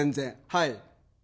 はい。